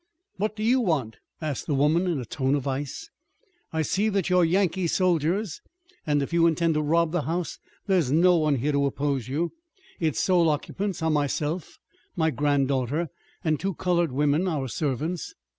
"What do you want?" asked the woman in a tone of ice. "I see that you are Yankee soldiers, and if you intend to rob the house there is no one here to oppose you. Its sole occupants are myself, my granddaughter, and two colored women, our servants.